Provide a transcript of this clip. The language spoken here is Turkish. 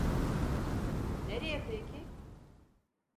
Nereye peki?